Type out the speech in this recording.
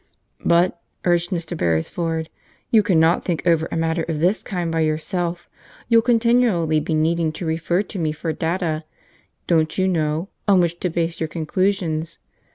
"But," urged Mr. Beresford, "you cannot think over a matter of this kind by yourself. You'll continually be needing to refer to me for data, don't you know, on which to base your conclusions.